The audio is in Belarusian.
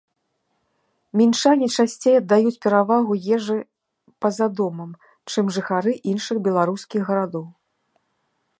Мінчане часцей аддаюць перавагу ежы па-за домам, чым жыхары іншых беларускіх гарадоў.